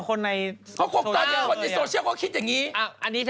คนในโซเชียลก็คิดอย่างนี้